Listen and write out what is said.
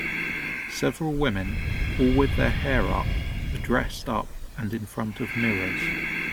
Several women, all with their hair up, are dressed up and in front of mirrors.